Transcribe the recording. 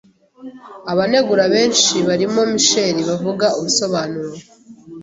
Abanegura benshi barimo Michael bavuga ubusobanuro